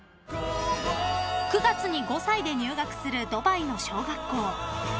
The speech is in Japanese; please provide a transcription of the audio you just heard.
［９月に５歳で入学するドバイの小学校］